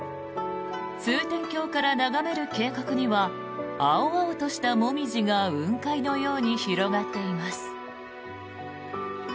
通天橋から眺める渓谷には青々としたモミジが雲海のように広がっています。